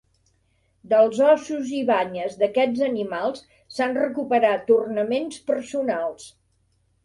Dels ossos i banyes d'aquests animals s'han recuperat ornaments personals.